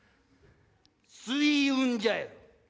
水運じゃよ。